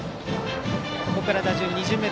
ここから打順は２巡目。